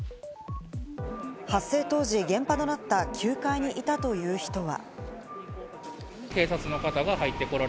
発生当時、現場となった９階にいたという人は。